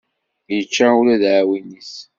Yečča ula d aɛwin-is.